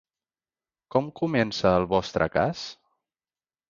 Com comença el vostre cas?